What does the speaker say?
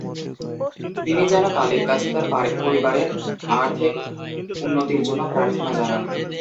তিনি যেন কালীর কাছে তার পরিবারের আর্থিক উন্নতির জন্য প্রার্থনা জানান।